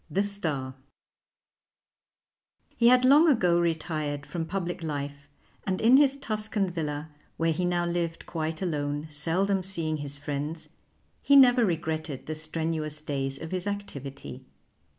THE STAR He had long ago retired from public life, and in his Tuscan villa, where he now lived quite alone, seldom seeing his friends, he never regretted the strenuous days of his activity.